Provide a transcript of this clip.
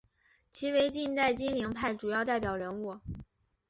其为近代金陵派主要代表人物。